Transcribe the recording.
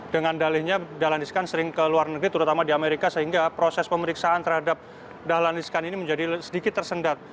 dengan dalihnya dahlan iskan sering ke luar negeri terutama di amerika sehingga proses pemeriksaan terhadap dahlan iskan ini menjadi sedikit tersendat